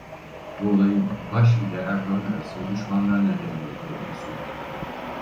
Bu olayın Baş ile Erdoğan arasında düşmanlığa neden olduğu öne sürüldü.